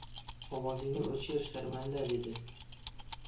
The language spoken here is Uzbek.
Ovozingni o‘chir sharmanda dedi.